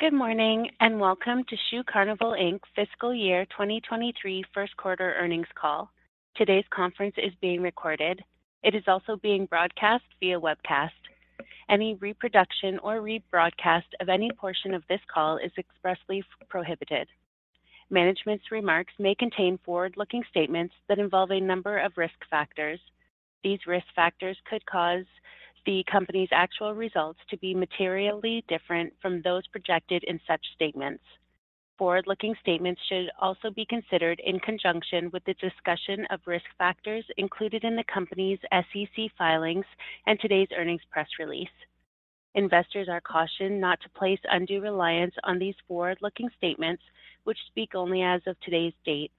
Good morning, welcome to Shoe Carnival, Inc. fiscal year 2023 first quarter earnings call. Today's conference is being recorded. It is also being broadcast via webcast. Any reproduction or rebroadcast of any portion of this call is expressly prohibited. Management's remarks may contain forward-looking statements that involve a number of risk factors. These risk factors could cause the company's actual results to be materially different from those projected in such statements. Forward-looking statements should also be considered in conjunction with the discussion of risk factors included in the company's SEC filings and today's earnings press release. Investors are cautioned not to place undue reliance on these forward-looking statements, which speak only as of today's date.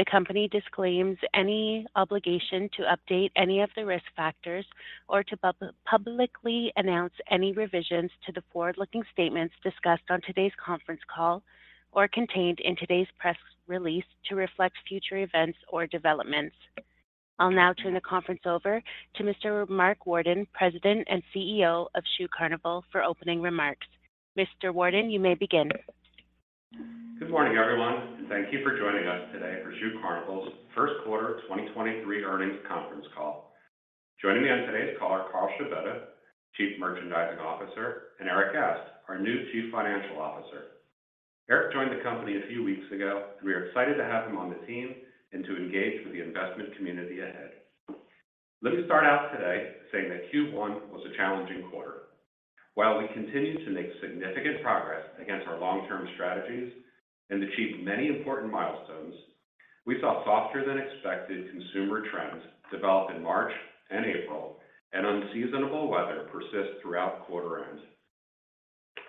The company disclaims any obligation to update any of the risk factors or to publicly announce any revisions to the forward-looking statements discussed on today's conference call or contained in today's press release to reflect future events or developments. I'll now turn the conference over to Mr. Mark Worden, President and CEO of Shoe Carnival, for opening remarks. Mr. Worden, you may begin. Good morning, everyone, and thank you for joining us today for Shoe Carnival's first quarter 2023 earnings conference call. Joining me on today's call are Carl Scibetta, Chief Merchandising Officer, and Erik Gast, our new Chief Financial Officer. Erik joined the company a few weeks ago. We are excited to have him on the team and to engage with the investment community ahead. Let me start out today saying that Q1 was a challenging quarter. While we continued to make significant progress against our long-term strategies and achieve many important milestones, we saw softer than expected consumer trends develop in March and April, and unseasonable weather persist throughout quarter end.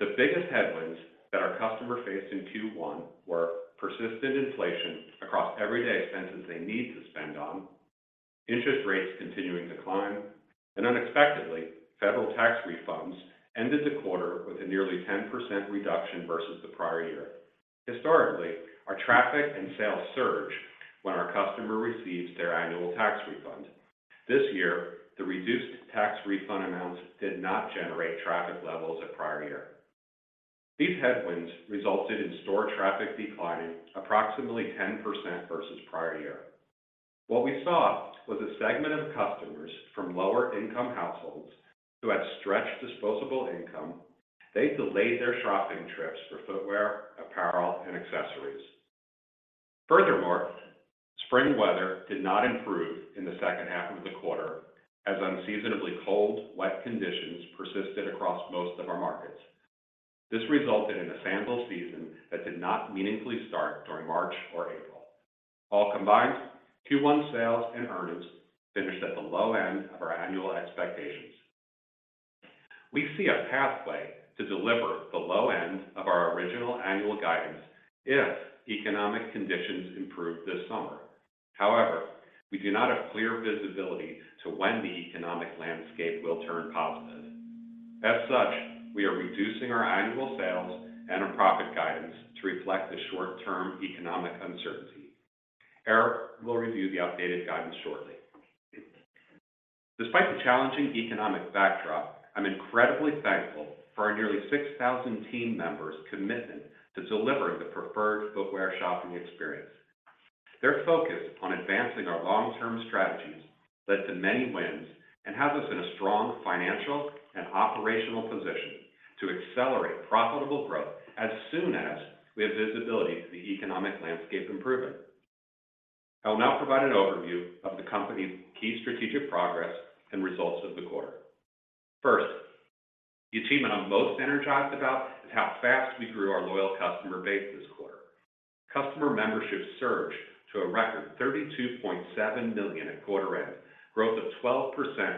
The biggest headwinds that our customer faced in Q1 were persistent inflation across everyday expenses they need to spend on, interest rates continuing to climb, and unexpectedly, federal tax refunds ended the quarter with a nearly 10% reduction versus the prior year. Historically, our traffic and sales surge when our customer receives their annual tax refund. This year, the reduced tax refund amounts did not generate traffic levels of prior year. These headwinds resulted in store traffic declining approximately 10% versus prior year. What we saw was a segment of customers from lower-income households who had stretched disposable income. They delayed their shopping trips for footwear, apparel, and accessories. Furthermore, spring weather did not improve in the second half of the quarter as unseasonably cold, wet conditions persisted across most of our markets. This resulted in a sandal season that did not meaningfully start during March or April. All combined, Q1 sales and earnings finished at the low end of our annual expectations. We see a pathway to deliver the low end of our original annual guidance if economic conditions improve this summer. However, we do not have clear visibility to when the economic landscape will turn positive. As such, we are reducing our annual sales and our profit guidance to reflect the short-term economic uncertainty. Erik will review the updated guidance shortly. Despite the challenging economic backdrop, I'm incredibly thankful for our nearly 6,000 team members' commitment to delivering the preferred footwear shopping experience. Their focus on advancing our long-term strategies led to many wins and has us in a strong financial and operational position to accelerate profitable growth as soon as we have visibility to the economic landscape improving. I will now provide an overview of the company's key strategic progress and results of the quarter. First, the achievement I'm most energized about is how fast we grew our loyal customer base this quarter. Customer membership surged to a record 32.7 million at quarter end, growth of 12%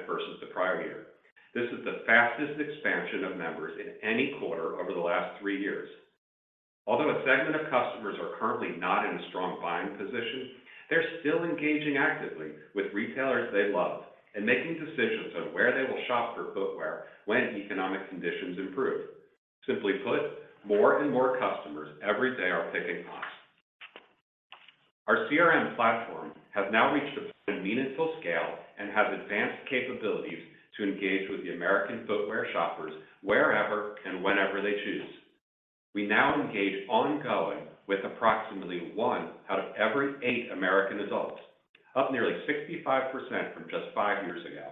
versus the prior year. This is the fastest expansion of members in any quarter over the last three years. Although a segment of customers are currently not in a strong buying position, they're still engaging actively with retailers they love and making decisions on where they will shop for footwear when economic conditions improve. Simply put, more and more customers every day are picking us. Our CRM platform has now reached a meaningful scale and has advanced capabilities to engage with the American footwear shoppers wherever and whenever they choose. We now engage ongoing with approximately one out of every eight American adults, up nearly 65% from just five years ago.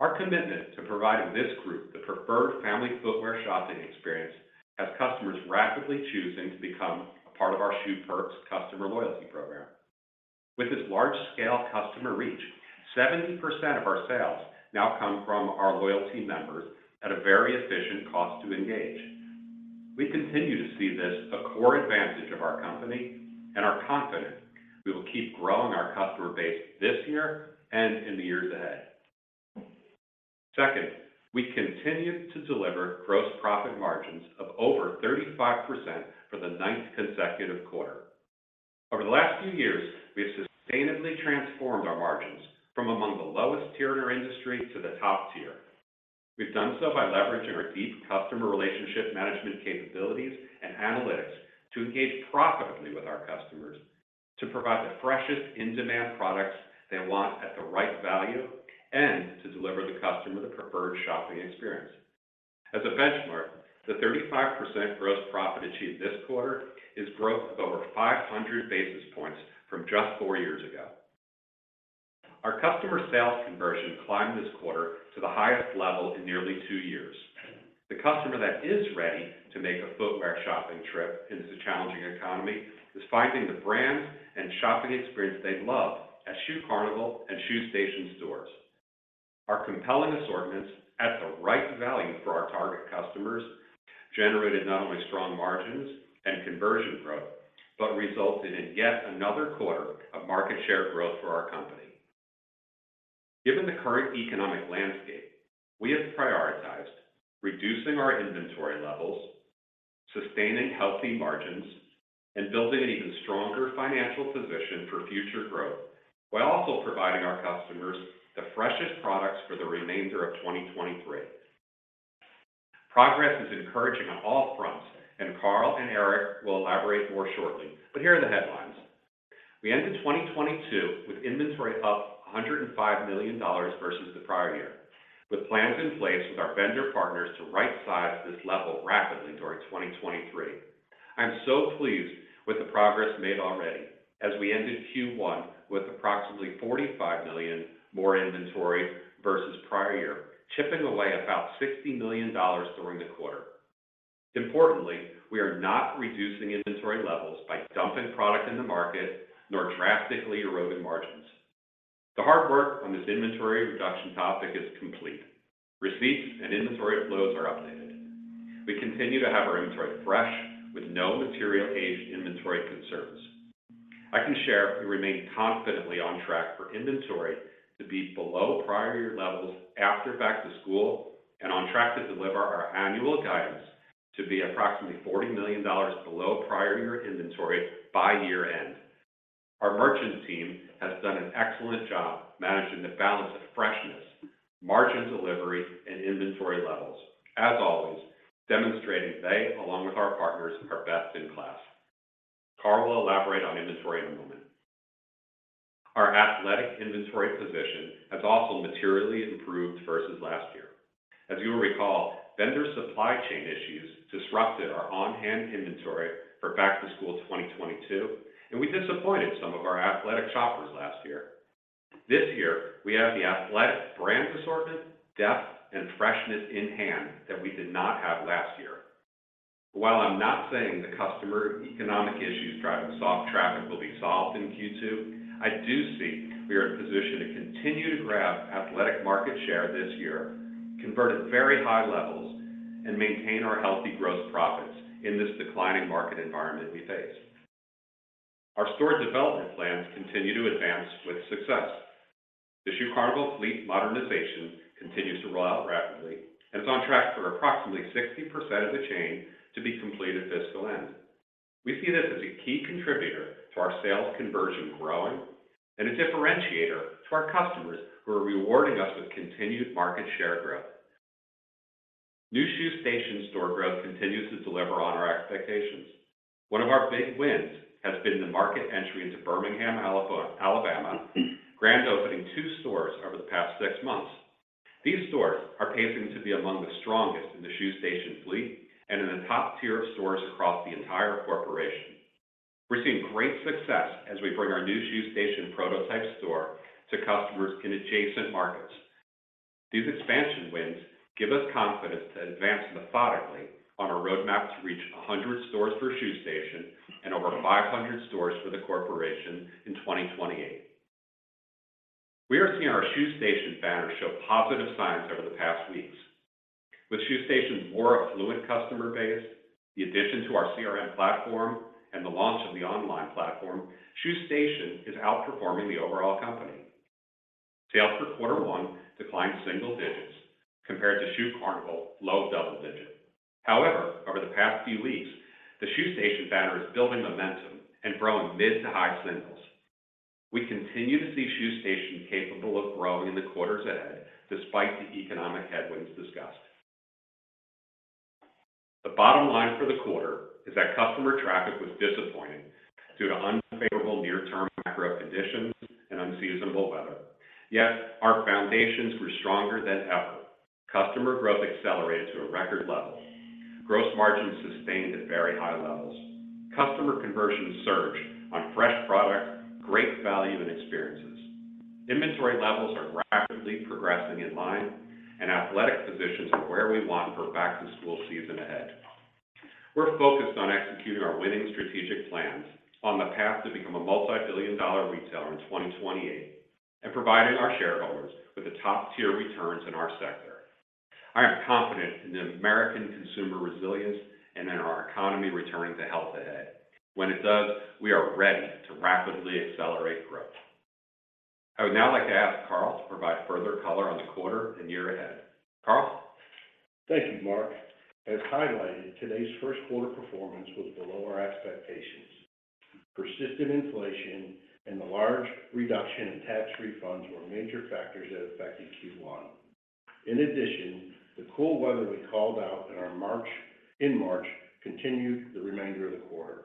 Our commitment to providing this group the preferred family footwear shopping experience has customers rapidly choosing to become a part of our Shoe Perks customer loyalty program. With this large-scale customer reach, 70% of our sales now come from our loyalty members at a very efficient cost to engage. We continue to see this a core advantage of our company and are confident we will keep growing our customer base this year and in the years ahead. Second, we continue to deliver gross profit margins of over 35% for the ninth consecutive quarter. Over the last few years, we have sustainably transformed our margins from among the lowest tier in our industry to the top tier. We've done so by leveraging our deep customer relationship management capabilities analytics to engage profitably with our customers, to provide the freshest in-demand products they want at the right value, and to deliver the customer the preferred shopping experience. As a benchmark, the 35% gross profit achieved this quarter is growth of over 500 basis points from just four years ago. Our customer sales conversion climbed this quarter to the highest level in nearly two years. The customer that is ready to make a footwear shopping trip into the challenging economy is finding the brands and shopping experience they love at Shoe Carnival and Shoe Station stores. Our compelling assortments at the right value for our target customers generated not only strong margins and conversion growth, but resulted in yet another quarter of market share growth for our company. Given the current economic landscape, we have prioritized reducing our inventory levels, sustaining healthy margins, and building an even stronger financial position for future growth while also providing our customers the freshest products for the remainder of 2023. Progress is encouraging on all fronts. Carl and Erik will elaborate more shortly, but here are the headlines. We ended 2022 with inventory up $105 million versus the prior year, with plans in place with our vendor partners to right size this level rapidly during 2023. I'm so pleased with the progress made already as we ended Q1 with approximately $45 million more inventory versus prior year, chipping away about $60 million during the quarter. Importantly, we are not reducing inventory levels by dumping product in the market, nor drastically eroding margins. The hard work on this inventory reduction topic is complete. Receipts and inventory flows are updated. We continue to have our inventory fresh with no material aged inventory concerns. I can share we remain confidently on track for inventory to be below prior year levels after back to school and on track to deliver our annual guidance to be approximately $40 million below prior year inventory by year-end. Our merchant team has done an excellent job managing the balance of freshness, margin delivery, and inventory levels, as always demonstrating they, along with our partners, are best in class. Carl will elaborate on inventory in a moment. Our athletic inventory position has also materially improved versus last year. As you will recall, vendor supply chain issues disrupted our on-hand inventory for back to school 2022, and we disappointed some of our athletic shoppers last year. This year, we have the athletic brand assortment, depth, and freshness in hand that we did not have last year. While I'm not saying the customer economic issues driving soft traffic will be solved in Q2, I do see we are in position to continue to grab athletic market share this year, convert at very high levels, and maintain our healthy gross profits in this declining market environment we face. Our store development plans continue to advance with success. The Shoe Carnival fleet modernization continues to roll out rapidly and is on track for approximately 60% of the chain to be complete at fiscal end. We see this as a key contributor to our sales conversion growing and a differentiator to our customers who are rewarding us with continued market share growth. New Shoe Station store growth continues to deliver on our expectations. One of our big wins has been the market entry into Birmingham, Alabama, grand opening two stores over the past six months. These stores are pacing to be among the strongest in the Shoe Station fleet and in the top tier of stores across the entire corporation. We're seeing great success as we bring our new Shoe Station prototype store to customers in adjacent markets. These expansion wins give us confidence to advance methodically on our roadmap to reach 100 stores for Shoe Station and over 500 stores for the corporation in 2028. We are seeing our Shoe Station banner show positive signs over the past weeks. With Shoe Station's more affluent customer base, the addition to our CRM platform, and the launch of the online platform, Shoe Station is outperforming the overall company. Sales for quarter one declined single digits compared to Shoe Carnival low double digit. Over the past few weeks, the Shoe Station banner is building momentum and growing mid to high singles. We continue to see Shoe Station capable of growing in the quarters ahead despite the economic headwinds discussed. The bottom line for the quarter is that customer traffic was disappointing due to unfavorable near-term macro conditions and unseasonable weather. Our foundations were stronger than ever. Customer growth accelerated to a record level. Gross margin sustained at very high levels. Customer conversion surged on fresh product, great value, and experiences. Inventory levels are rapidly progressing in line, and athletic positions are where we want for back-to-school season ahead. We're focused on executing our winning strategic plans on the path to become a multi-billion dollar retailer in 2028 and providing our shareholders with the top-tier returns in our sector. I am confident in the American consumer resilience and in our economy returning to health ahead. When it does, we are ready to rapidly accelerate growth. I would now like to ask Carl to provide further color on the quarter and year ahead. Carl? Thank you, Mark. As highlighted, today's first quarter performance was below our expectations. Persistent inflation and the large reduction in tax refunds were major factors that affected Q1. In addition, the cool weather we called out in March continued the remainder of the quarter.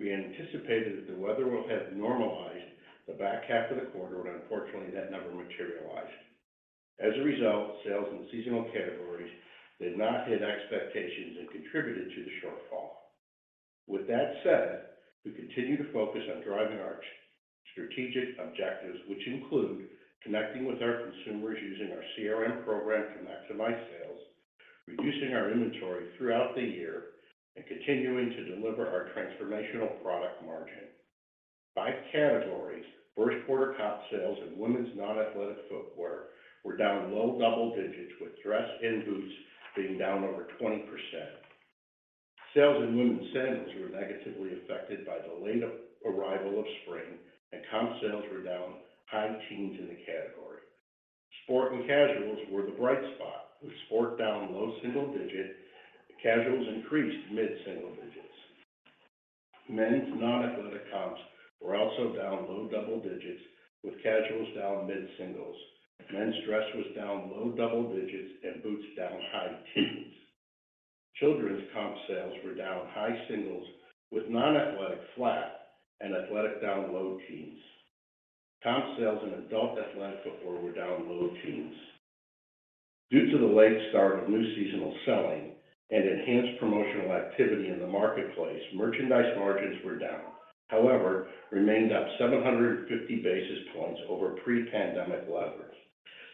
We anticipated that the weather will have normalized the back half of the quarter. Unfortunately, that never materialized. As a result, sales in the seasonal categories did not hit expectations and contributed to the shortfall. With that said, we continue to focus on driving our strategic objectives, which include connecting with our consumers using our CRM program to maximize sales, reducing our inventory throughout the year, and continuing to deliver our transformational product margin. By categories, first quarter comp sales in women's non-athletic footwear were down low double digits, with dress and boots being down over 20%. Sales in women's sandals were negatively affected by the late arrival of spring, and comp sales were down high teens% in the category. Sport and casuals were the bright spot, with sport down low single digit. Casuals increased mid-single digits. Men's non-athletic comps were also down low double digits, with casuals down mid-singles. Men's dress was down low double digits and boots down high teens. Children's comp sales were down high singles, with non-athletic flat and athletic down low teens. Comp sales in adult athletic footwear were down low teens. Due to the late start of new seasonal selling and enhanced promotional activity in the marketplace, merchandise margins were down. However, remained up 750 basis points over pre-pandemic levels.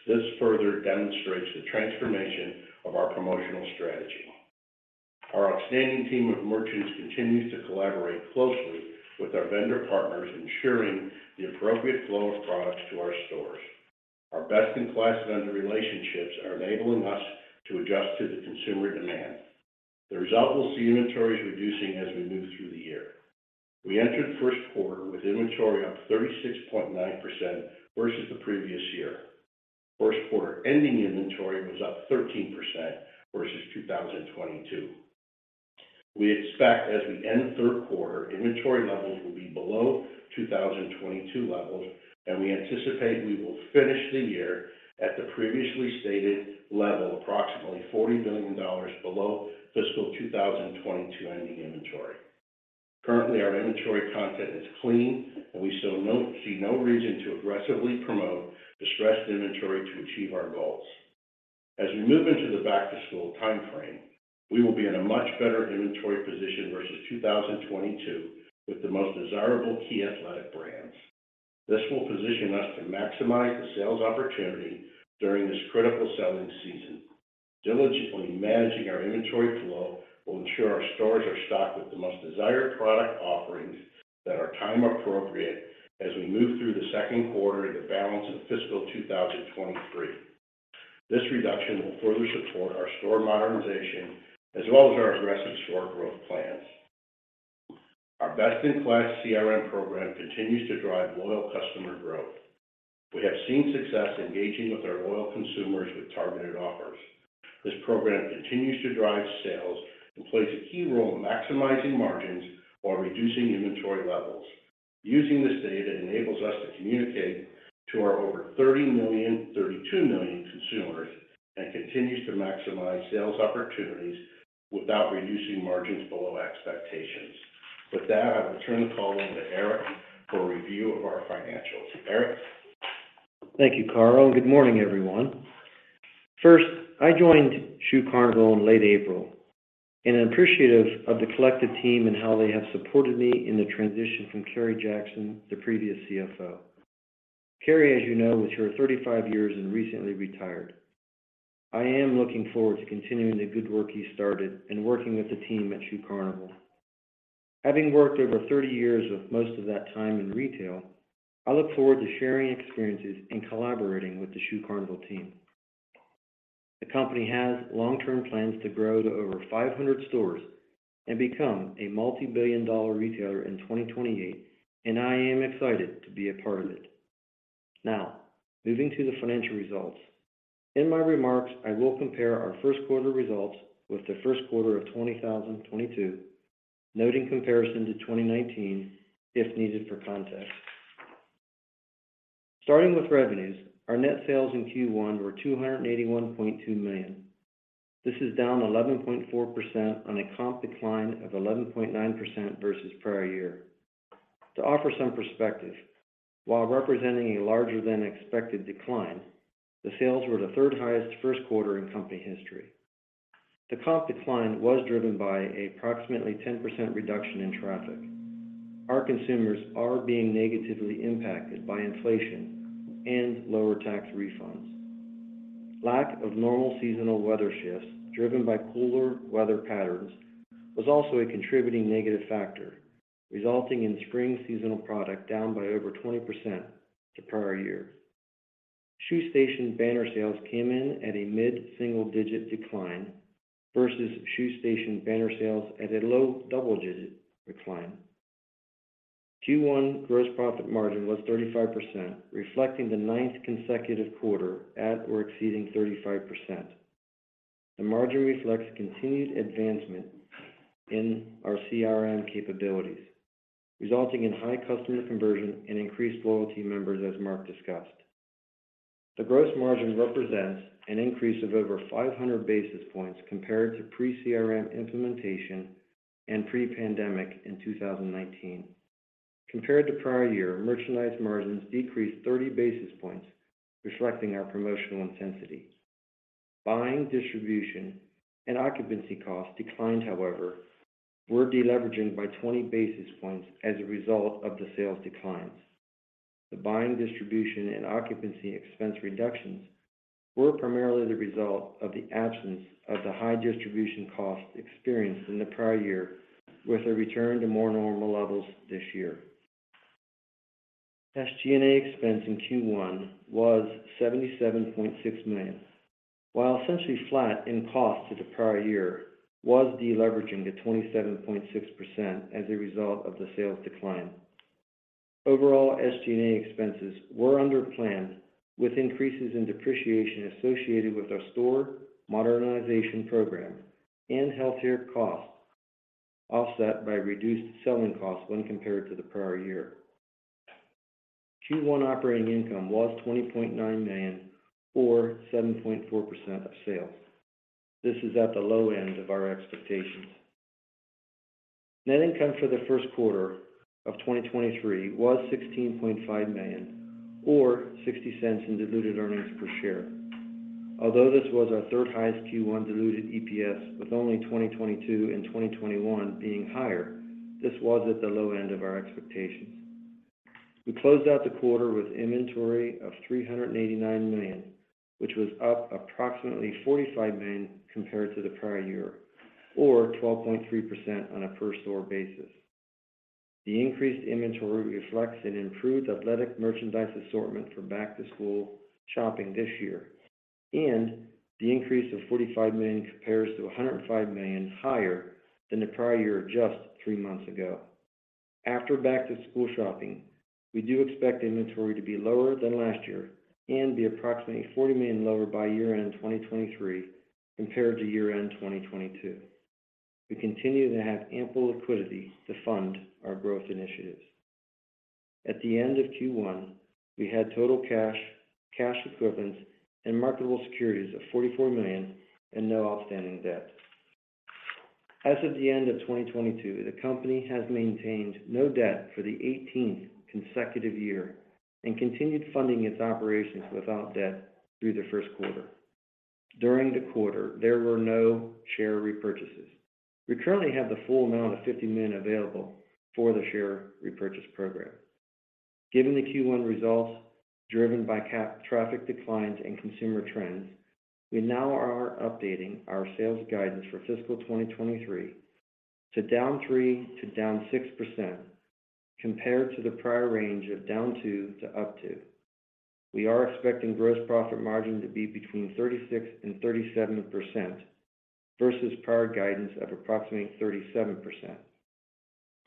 This further demonstrates the transformation of our promotional strategy. Our outstanding team of merchants continues to collaborate closely with our vendor partners, ensuring the appropriate flow of products to our stores. Our best-in-class vendor relationships are enabling us to adjust to the consumer demand. The result will see inventories reducing as we move through the year. We entered first quarter with inventory up 36.9% versus the previous year. First quarter ending inventory was up 13% versus 2022. We expect as we end third quarter, inventory levels will be below 2022 levels, and we anticipate we will finish the year at the previously stated level, approximately $40 billion below fiscal 2022 ending inventory. Currently, our inventory content is clean, and we still see no reason to aggressively promote distressed inventory to achieve our goals. As we move into the back-to-school timeframe, we will be in a much better inventory position versus 2022 with the most desirable key athletic brands. This will position us to maximize the sales opportunity during this critical selling season. Diligently managing our inventory flow will ensure our stores are stocked with the most desired product offerings that are time appropriate as we move through the second quarter and the balance of fiscal 2023. This reduction will further support our store modernization as well as our aggressive store growth plans. Our best-in-class CRM program continues to drive loyal customer growth. We have seen success engaging with our loyal consumers with targeted offers. This program continues to drive sales and plays a key role in maximizing margins while reducing inventory levels. Using this data enables us to communicate to our over $30 million, $32 million consumers and continues to maximize sales opportunities without reducing margins below expectations. With that, I'll turn the call over to Erik for a review of our financials. Erik? Thank you, Carl, and good morning, everyone. First, I joined Shoe Carnival in late April, and I'm appreciative of the collective team and how they have supported me in the transition from Kerry Jackson, the previous CFO. Kerry, as you know, was here 35 years and recently retired. I am looking forward to continuing the good work he started and working with the team at Shoe Carnival. Having worked over 30 years, with most of that time in retail, I look forward to sharing experiences and collaborating with the Shoe Carnival team. The company has long-term plans to grow to over 500 stores and become a multi-billion dollar retailer in 2028, and I am excited to be a part of it. Now, moving to the financial results. In my remarks, I will compare our first quarter results with the first quarter of 2022, noting comparison to 2019 if needed for context. Starting with revenues, our net sales in Q1 were $281.2 million. This is down 11.4% on a comp decline of 11.9% versus prior year. To offer some perspective, while representing a larger than expected decline, the sales were the third highest first quarter in company history. The comp decline was driven by approximately 10% reduction in traffic. Our consumers are being negatively impacted by inflation and lower tax refunds. Lack of normal seasonal weather shifts driven by cooler weather patterns was also a contributing negative factor, resulting in spring seasonal product down by over 20% to prior year. Shoe Station banner sales came in at a mid-single-digit decline versus Shoe Station banner sales at a low-double-digit decline. Q1 gross profit margin was 35%, reflecting the 9th consecutive quarter at or exceeding 35%. The margin reflects continued advancement in our CRM capabilities, resulting in high customer conversion and increased loyalty members as Mark discussed. The gross margin represents an increase of over 500 basis points compared to pre-CRM implementation and pre-pandemic in 2019. Compared to prior year, merchandise margins decreased 30 basis points, reflecting our promotional intensity. Buying, distribution, and occupancy costs declined, however, were deleveraging by 20 basis points as a result of the sales declines. The buying, distribution, and occupancy expense reductions were primarily the result of the absence of the high distribution costs experienced in the prior year, with a return to more normal levels this year. SG&A expense in Q1 was $77.6 million. While essentially flat in cost to the prior year was deleveraging to 27.6% as a result of the sales decline. Overall, SG&A expenses were under plan with increases in depreciation associated with our store modernization program and healthcare costs offset by reduced selling costs when compared to the prior year. Q1 operating income was $20.9 million or 7.4% of sales. This is at the low end of our expectations. Net income for the first quarter of 2023 was $16.5 million or $0.60 in diluted earnings per share. Although this was our third highest Q1 diluted EPS with only 2022 and 2021 being higher, this was at the low end of our expectations. We closed out the quarter with inventory of $389 million, which was up approximately $45 million compared to the prior year, or 12.3% on a per store basis. The increased inventory reflects an improved athletic merchandise assortment for back-to-school shopping this year, the increase of $45 million compares to $105 million higher than the prior year just three months ago. After back-to-school shopping, we do expect inventory to be lower than last year and be approximately $40 million lower by year-end 2023 compared to year-end 2022. We continue to have ample liquidity to fund our growth initiatives. At the end of Q1, we had total cash equivalents, and marketable securities of $44 million and no outstanding debt. As of the end of 2022, the company has maintained no debt for the eighteenth consecutive year and continued funding its operations without debt through the first quarter. During the quarter, there were no share repurchases. We currently have the full amount of $50 million available for the share repurchase program. Given the Q1 results driven by traffic declines and consumer trends, we now are updating our sales guidance for fiscal 2023 to -3% to -6% compared to the prior range of -2% to +2%. We are expecting gross profit margin to be between 36% and 37% versus prior guidance of approximately 37%.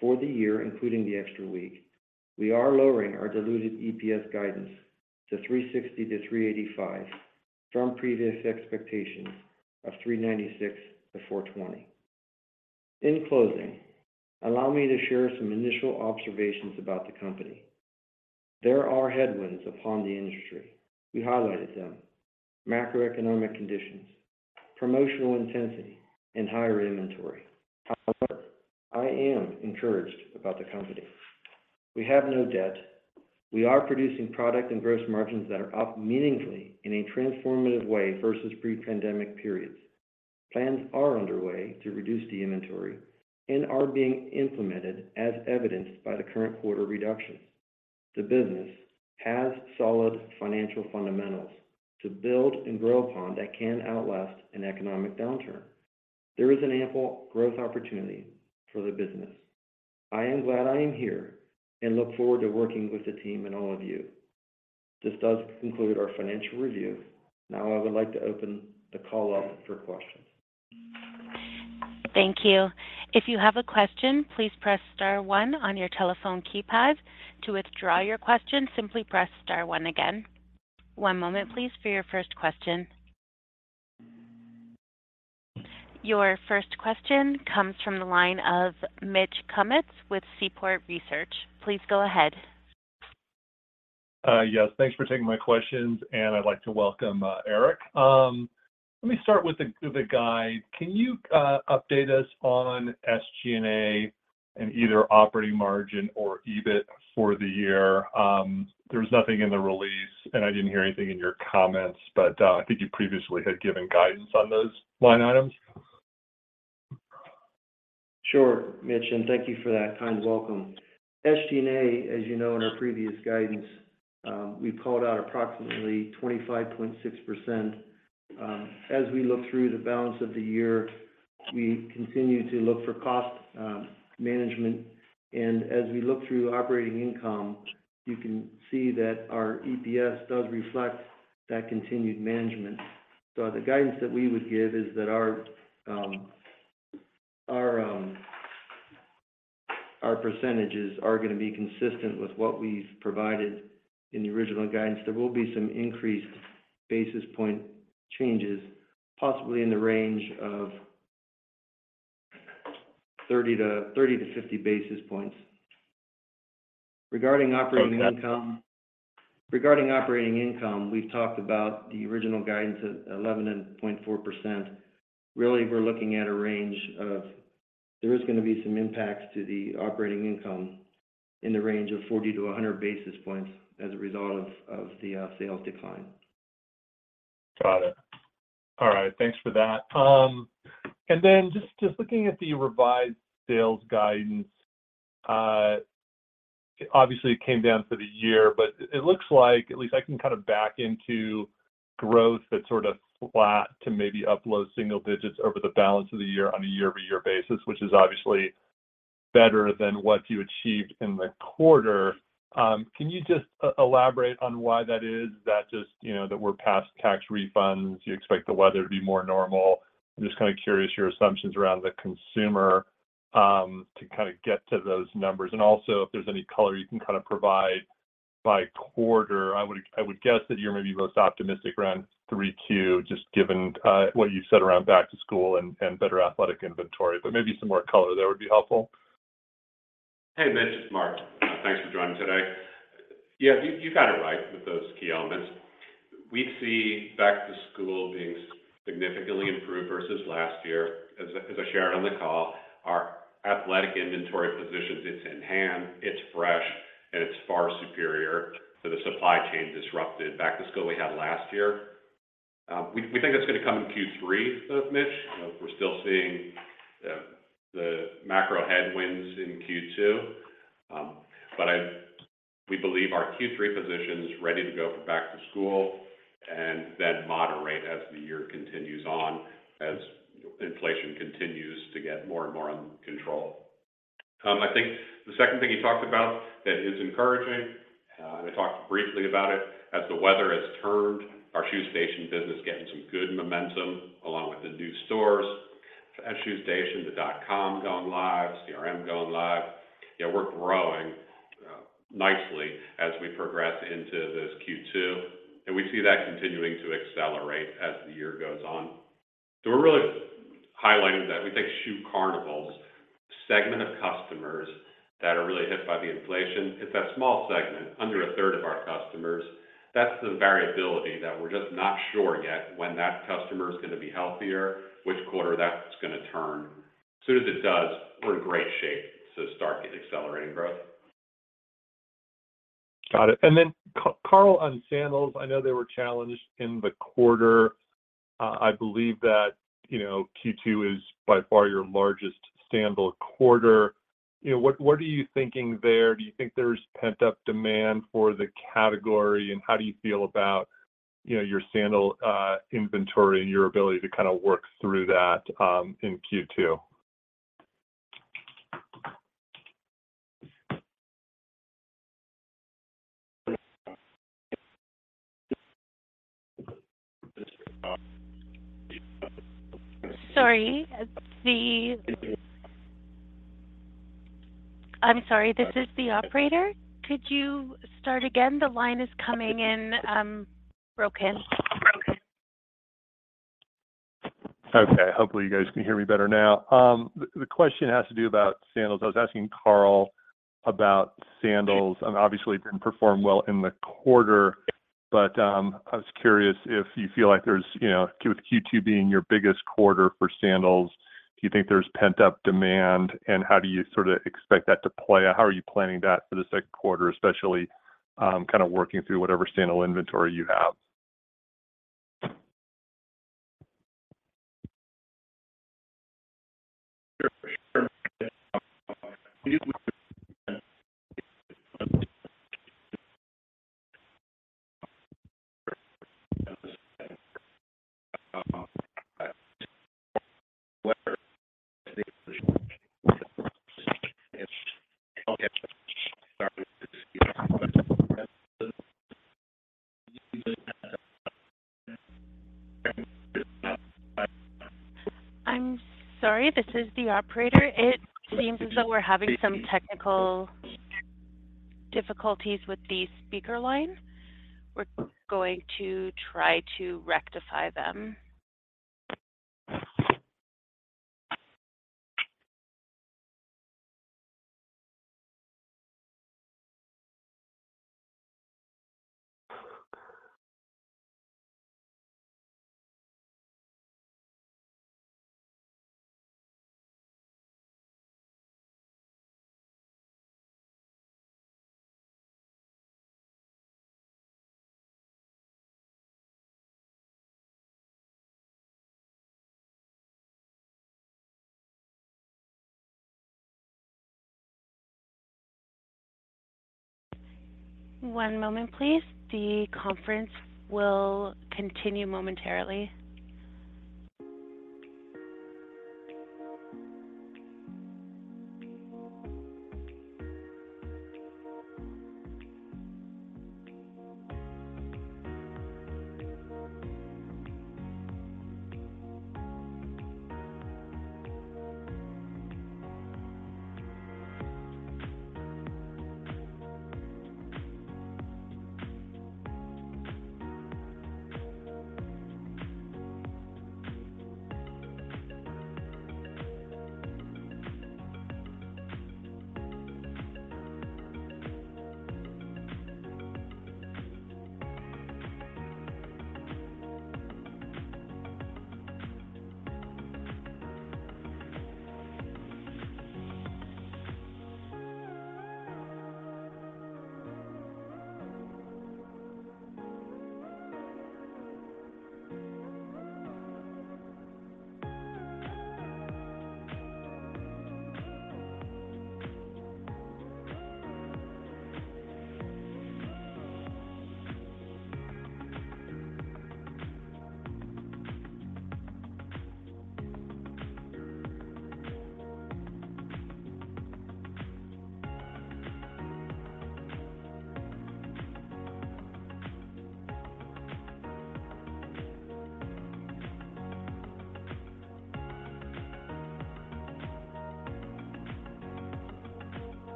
For the year, including the extra week, we are lowering our diluted EPS guidance to $3.60-$3.85 from previous expectations of $3.96-$4.20. In closing, allow me to share some initial observations about the company. There are headwinds upon the industry. We highlighted them. Macroeconomic conditions, promotional intensity, and higher inventory. However, I am encouraged about the company. We have no debt. We are producing product and gross margins that are up meaningfully in a transformative way versus pre-pandemic periods. Plans are underway to reduce the inventory and are being implemented as evidenced by the current quarter reductions. The business has solid financial fundamentals to build and grow upon that can outlast an economic downturn. There is an ample growth opportunity for the business. I am glad I am here and look forward to working with the team and all of you. This does conclude our financial review. Now I would like to open the call up for questions. Thank you. If you have a question, please press star one on your telephone keypad. To withdraw your question, simply press star one again. One moment, please, for your first question. Your first question comes from the line of Mitch Kummetz with Seaport Research. Please go ahead. Yes. Thanks for taking my questions, and I'd like to welcome, Erik. Let me start with the guide. Can you update us on SG&A and either operating margin or EBIT for the year? There's nothing in the release, and I didn't hear anything in your comments, but I think you previously had given guidance on those line items. Sure, Mitch, and thank you for that kind welcome. SG&A, as you know in our previous guidance, we called out approximately 25.6%. As we look through the balance of the year, we continue to look for cost management. As we look through operating income, you can see that our EPS does reflect that continued management. The guidance that we would give is that our. Our percentages are gonna be consistent with what we've provided in the original guidance. There will be some increased basis point changes, possibly in the range of 30 to 50 basis points. Regarding operating income. Okay. Regarding operating income, we've talked about the original guidance of 11.4%. Really, we're looking at a range of... There is gonna be some impacts to the operating income in the range of 40 basis points-100 basis points as a result of the sales decline. Got it. All right, thanks for that. Just, just looking at the revised sales guidance, obviously it came down for the year, but it looks like at least I can kind of back into growth that's sort of flat to maybe upload single digits over the balance of the year on a year-over-year basis, which is obviously better than what you achieved in the quarter. Can you just elaborate on why that is? Is that just, you know, that we're past tax refunds, you expect the weather to be more normal? I'm just kinda curious your assumptions around the consumer to kind of get to those numbers. Also, if there's any color you can kind of provide by quarter. I would guess that you're maybe most optimistic around 3Q, just given what you said around back to school and better athletic inventory. Maybe some more color there would be helpful. Hey, Mitch, it's Mark. Thanks for joining today. Yeah, you got it right with those key elements. We see back to school being significantly improved versus last year. As I shared on the call, our athletic inventory positions, it's in hand, it's fresh, and it's far superior to the supply chain disrupted back to school we had last year. We think that's gonna come in Q3, Mitch. We're still seeing the macro headwinds in Q2. We believe our Q3 position is ready to go for back to school and then moderate as the year continues on, as inflation continues to get more and more under control. I think the second thing you talked about that is encouraging, and I talked briefly about it, as the weather has turned, our Shoe Station business is getting some good momentum along with the new stores. At Shoe Station, the dot-com going live, CRM going live. Yeah, we're growing nicely as we progress into this Q2, and we see that continuing to accelerate as the year goes on. We're really highlighting that we think Shoe Carnival's segment of customers that are really hit by the inflation, it's a small segment, under a third of our customers. That's the variability that we're just not sure yet when that customer is gonna be healthier, which quarter that's gonna turn. As soon as it does, we're in great shape to start getting accelerating growth. Got it. Carl, on sandals, I know they were challenged in the quarter. I believe that, you know, Q2 is by far your largest sandal quarter. You know, what are you thinking there? Do you think there's pent-up demand for the category? How do you feel about, you know, your sandal inventory and your ability to kind of work through that in Q2? Sorry. I'm sorry. This is the operator. Could you start again? The line is coming in, broken. Okay. Hopefully, you guys can hear me better now. The question has to do about sandals. I was asking Carl about sandals, and obviously didn't perform well in the quarter. I was curious if you feel like there's, you know, with Q2 being your biggest quarter for sandals, do you think there's pent-up demand? How do you sort of expect that to play out? How are you planning that for the second quarter, especially, kind of working through whatever sandal inventory you have? I'm sorry. This is the operator. It seems as though we're having some technical difficulties with the speaker line. We're going to try to rectify them. One moment, please. The conference will continue momentarily.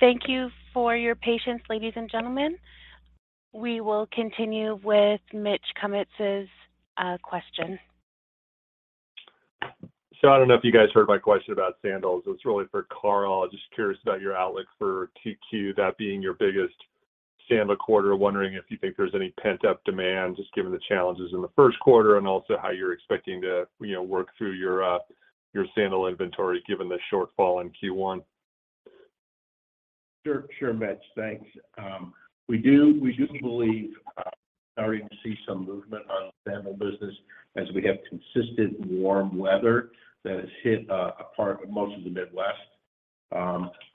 Thank you for your patience, ladies and gentlemen. We will continue with Mitch Kummetz's question. I don't know if you guys heard my question about sandals. It was really for Carl. Just curious about your outlook for 2Q, that being your biggest sandal quarter. Wondering if you think there's any pent-up demand just given the challenges in the first quarter and also how you're expecting to, you know, work through your sandal inventory given the shortfall in Q1? Sure. Sure, Mitch. Thanks. We do believe, starting to see some movement on sandal business as we have consistent warm weather that has hit a part of most of the Midwest.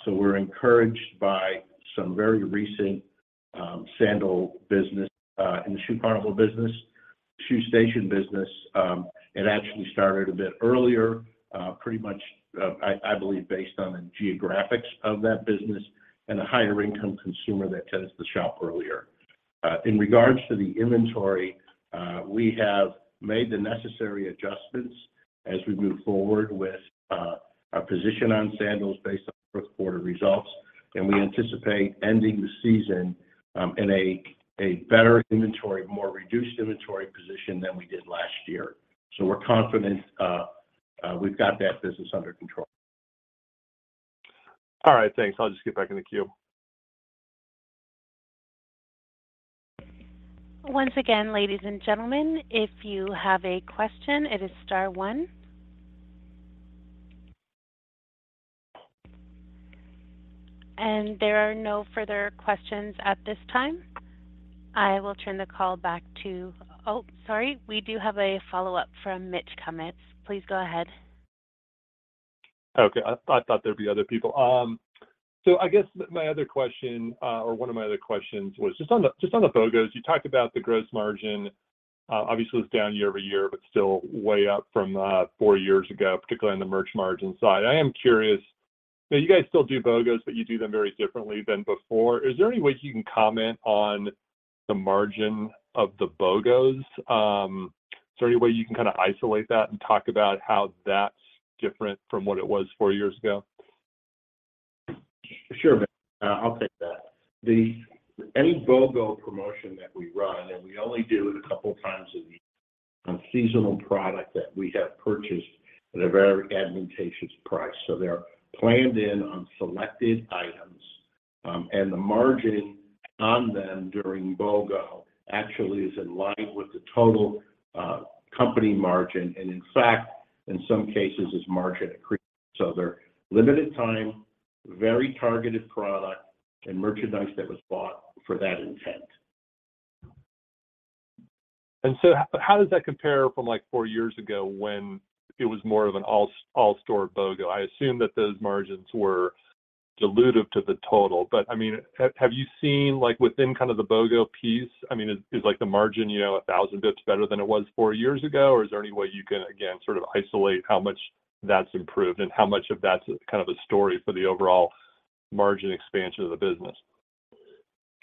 We're encouraged by some very recent sandal business in the Shoe Carnival. Shoe Station, it actually started a bit earlier, pretty much, I believe based on the geographics of that business and the higher income consumer that tends to shop earlier. In regards to the inventory, we have made the necessary adjustments as we move forward with our position on sandals based on first quarter results, we anticipate ending the season in a better inventory, more reduced inventory position than we did last year. We're confident, we've got that business under control. All right. Thanks. I'll just get back in the queue. Once again, ladies and gentlemen, if you have a question, it is star one. There are no further questions at this time. I will turn the call back to... Oh, sorry. We do have a follow-up from Mitch Kummetz. Please go ahead. Okay. I thought there'd be other people. I guess my other question, or one of my other questions, was just on the BOGOs. You talked about the gross margin. Obviously it's down year-over-year but still way up from four years ago, particularly on the merch margin side. I am curious. Now you guys still do BOGOs, but you do them very differently than before. Is there any way you can comment on the margin of the BOGOs? Is there any way you can kind of isolate that and talk about how that's different from what it was four years ago? Sure, Mitch. I'll take that. Any BOGO promotion that we run, and we only do it a couple times a year on seasonal product that we have purchased at a very advantageous price. They're planned in on selected items, and the margin on them during BOGO actually is in line with the total company margin, and in fact, in some cases is margin accretive. They're limited time, very targeted product, and merchandise that was bought for that intent. How does that compare from like four years ago when it was more of an all store BOGO? I assume that those margins were dilutive to the total. I mean, have you seen, like within kind of the BOGO piece, I mean, is like the margin, you know, 1,000 bits better than it was four years ago? Or is there any way you can again sort of isolate how much that's improved and how much of that's kind of a story for the overall margin expansion of the business?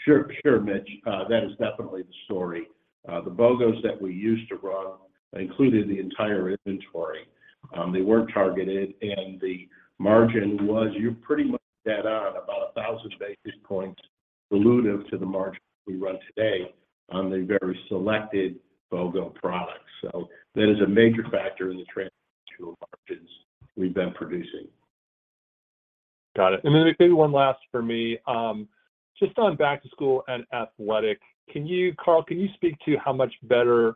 Sure. Sure, Mitch. That is definitely the story. The BOGOs that we used to run included the entire inventory. They weren't targeted, and the margin was... you pretty much hit that on, about 1,000 basis points dilutive to the margin we run today on the very selected BOGO products. That is a major factor in the trends to margins we've been producing. Got it. maybe one last for me. just on back to school and athletic, Carl, can you speak to how much better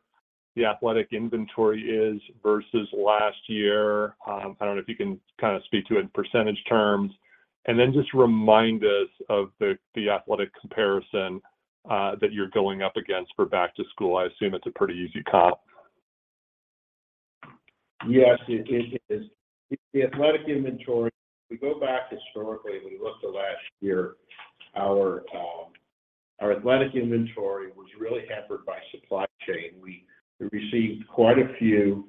the athletic inventory is versus last year? I don't know if you can kinda speak to it in percentage terms. just remind us of the athletic comparison that you're going up against for back to school. I assume it's a pretty easy comp. Yes, it is. The athletic inventory, if we go back historically, when we look to last year, our athletic inventory was really hampered by supply chain. We received quite a few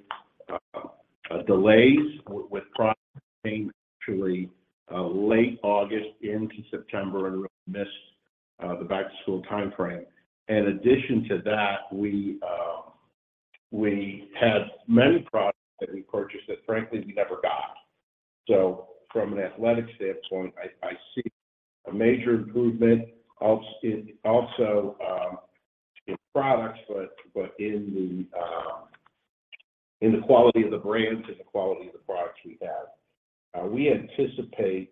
delays with products coming actually late August into September, and we missed the back-to-school timeframe. In addition to that, we had many products that we purchased that frankly, we never got. From an athletic standpoint, I see a major improvement also in products, but in the quality of the brands and the quality of the products we have. We anticipate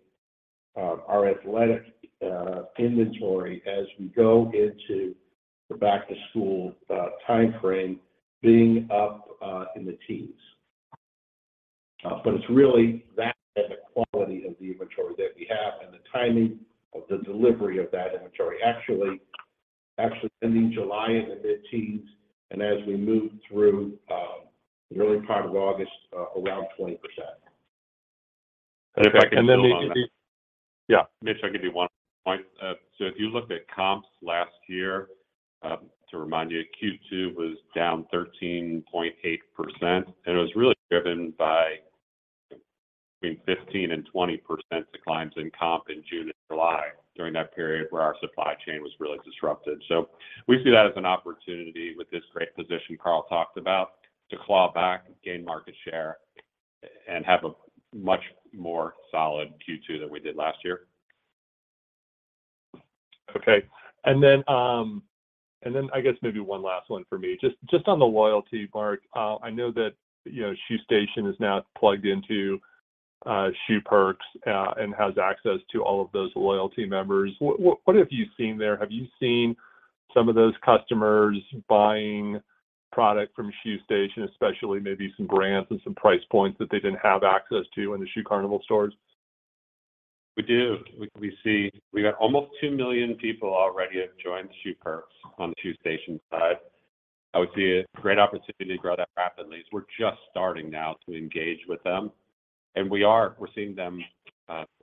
our athletic inventory as we go into the back-to-school timeframe being up in the teens. It's really that and the quality of the inventory that we have and the timing of the delivery of that inventory actually ending July in the mid-teens and as we move through the early part of August, around 20%. If I can build on that. And then maybe- Yeah. Mitch, I can give you one point. If you looked at comps last year, to remind you, Q2 was down 13.8%, and it was really driven by between 15% and 20% declines in comp in June and July during that period where our supply chain was really disrupted. We see that as an opportunity with this great position Carl talked about to claw back, gain market share, and have a much more solid Q2 than we did last year. Okay. I guess maybe one last one for me. Just on the loyalty, Mark, I know that, you know, Shoe Station is now plugged into Shoe Perks and has access to all of those loyalty members. What have you seen there? Have you seen some of those customers buying product from Shoe Station, especially maybe some brands and some price points that they didn't have access to in the Shoe Carnival stores? We do. We see... We got almost 2 million people already have joined Shoe Perks on the Shoe Station side. I would see a great opportunity to grow that rapidly, as we're just starting now to engage with them. We are. We're seeing them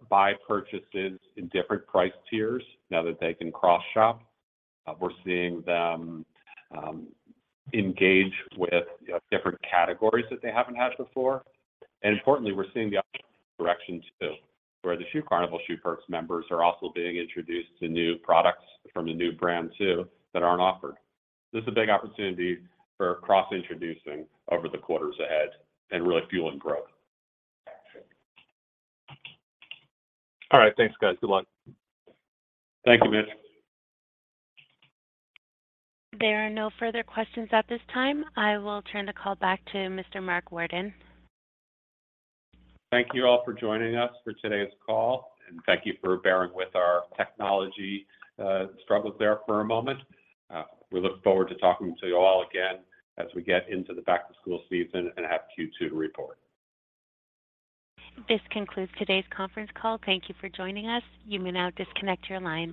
buy purchases in different price tiers now that they can cross-shop. We're seeing them engage with, you know, different categories that they haven't had before. Importantly, we're seeing the other direction too, where the Shoe Carnival Shoe Perks members are also being introduced to new products from the new brand too that aren't offered. This is a big opportunity for cross-introducing over the quarters ahead and really fueling growth. All right. Thanks, guys. Good luck. Thank you, Mitch. There are no further questions at this time. I will turn the call back to Mr. Mark Worden. Thank you all for joining us for today's call, and thank you for bearing with our technology, struggles there for a moment. We look forward to talking to you all again as we get into the back-to-school season and have Q2 to report. This concludes today's conference call. Thank you for joining us. You may now disconnect your line.